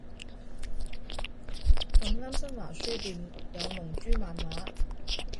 咁啱新華書店有龍珠漫畫